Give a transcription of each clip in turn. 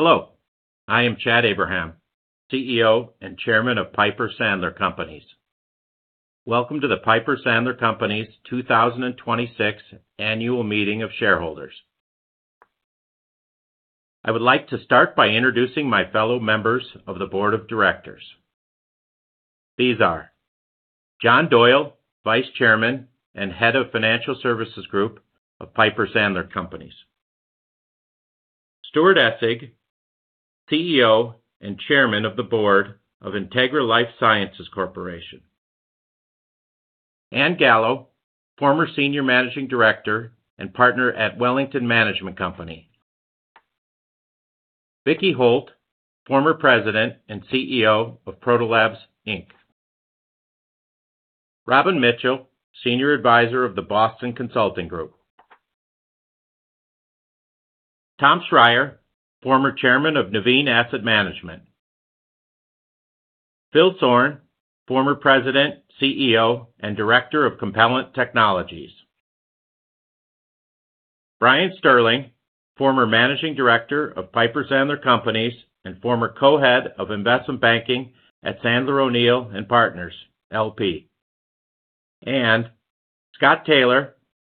Hello, I am Chad Abraham, CEO and Chairman of Piper Sandler Companies. Welcome to the Piper Sandler Companies 2026 Annual Meeting of Shareholders. I would like to start by introducing my fellow members of the board of directors. These are Jonathan Doyle, Vice Chairman and Head of Financial Services Group of Piper Sandler Companies. Stuart Essig, CEO and Chairman of the Board of Integra LifeSciences Holdings Corporation. Ann Gallo, former Senior Managing Director and Partner at Wellington Management Company. Vicki Holt, former President and CEO of Proto Labs, Inc. Robbin Mitchell, Senior Advisor of The Boston Consulting Group. Tom Schreier, former Chairman of Nuveen Asset Management. Philip Soran, former President, CEO, and Director of Compellent Technologies, Inc. Brian Sterling, former Managing Director of Piper Sandler Companies and former Co-Head of Investment Banking at Sandler O'Neill + Partners, L.P. Scott Taylor,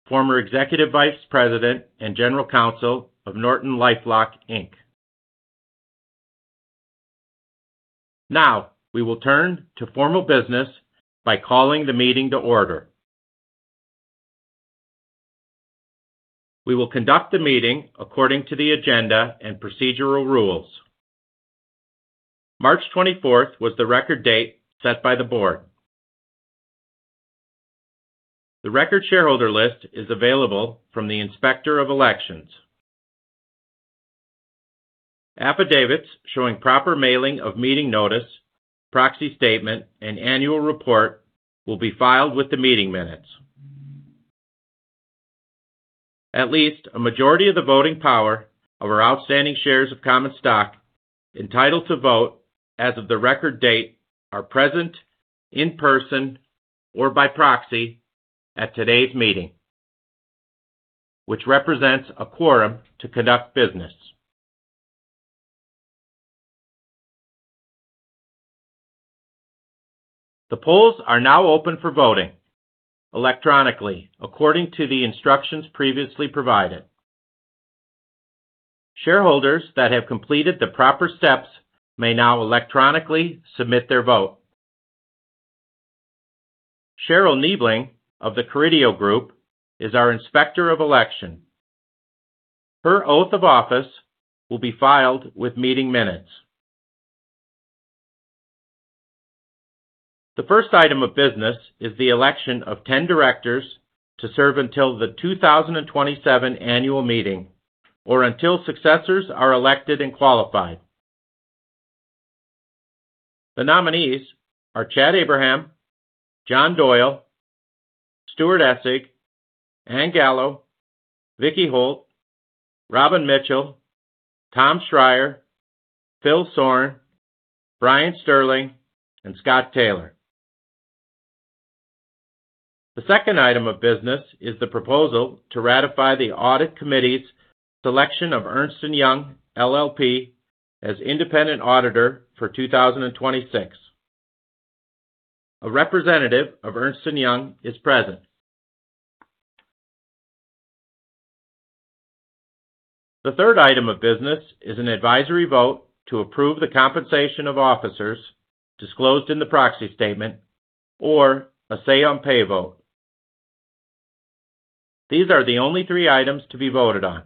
former Executive Vice President and General Counsel of NortonLifeLock, Inc. Now, we will turn to formal business by calling the meeting to order. We will conduct the meeting according to the agenda and procedural rules. March 24th was the record date set by the board. The record shareholder list is available from the Inspector of Elections. Affidavits showing proper mailing of meeting notice, proxy statement, and annual report will be filed with the meeting minutes. At least a majority of the voting power of our outstanding shares of common stock entitled to vote as of the record date are present in person or by proxy at today's meeting, which represents a quorum to conduct business. The polls are now open for voting electronically according to the instructions previously provided. Shareholders that have completed the proper steps may now electronically submit their vote. Cheryl Niebling of the Carideo Group is our Inspector of Elections. Her oath of office will be filed with meeting minutes. The first item of business is the election of 10 directors to serve until the 2027 annual meeting or until successors are elected and qualified. The nominees are Chad Abraham, Jonathan Doyle, Stuart Essig, Ann Gallo, Vicki Holt, Robbin Mitchell, Tom Schreier, Philip Soran, Brian Sterling, and Scott Taylor. The second item of business is the proposal to ratify the audit committee's selection of Ernst & Young LLP as independent auditor for 2026. A representative of Ernst & Young is present. The third item of business is an advisory vote to approve the compensation of officers disclosed in the proxy statement or a say on pay vote. These are the only three items to be voted on.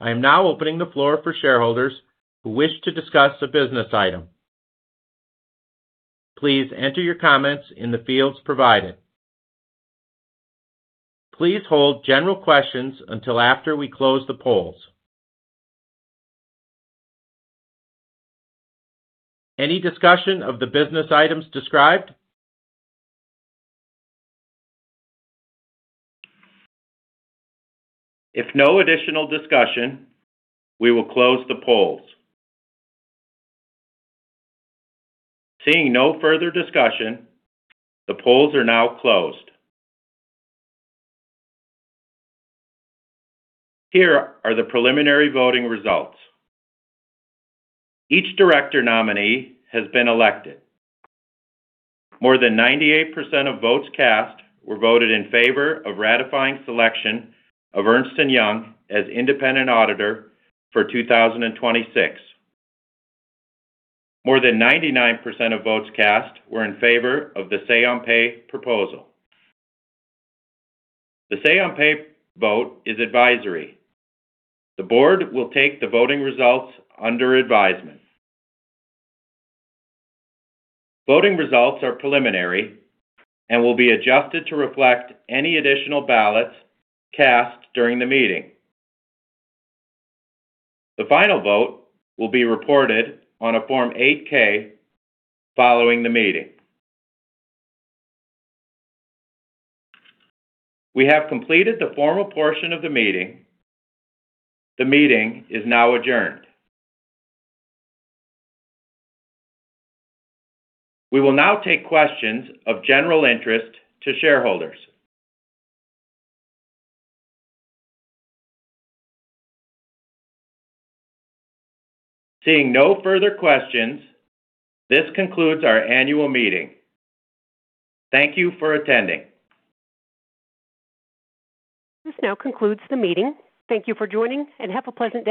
I am now opening the floor for shareholders who wish to discuss a business item. Please enter your comments in the fields provided. Please hold general questions until after we close the polls. Any discussion of the business items described? If no additional discussion, we will close the polls. Seeing no further discussion, the polls are now closed. Here are the preliminary voting results. Each director nominee has been elected. More than 98% of votes cast were voted in favor of ratifying selection of Ernst & Young as independent auditor for 2026. More than 99% of votes cast were in favor of the say on pay proposal. The say on pay vote is advisory. The board will take the voting results under advisement. Voting results are preliminary and will be adjusted to reflect any additional ballots cast during the meeting. The final vote will be reported on a Form 8-K following the meeting. We have completed the formal portion of the meeting. The meeting is now adjourned. We will now take questions of general interest to shareholders. Seeing no further questions, this concludes our annual meeting. Thank you for attending. This now concludes the meeting. Thank you for joining, and have a pleasant day.